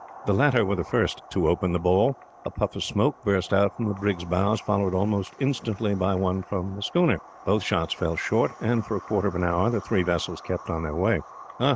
The latter were the first to open the ball. A puff of smoke burst out from the brig's bows, followed almost instantly by one from the schooner. Both shots fell short, and, for a quarter of an hour, the three vessels kept on their way.